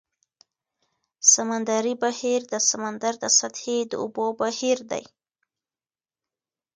سمندري بهیر د سمندر د سطحې د اوبو بهیر دی.